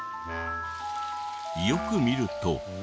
よく見ると。